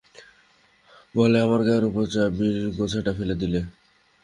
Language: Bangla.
বলে আমার গায়ের উপর চাবির গোছাটা ফেলে দিলে।